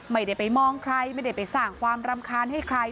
ไม่ได้ไปมองใครไม่ได้ไปสร้างความรำคาญให้ใคร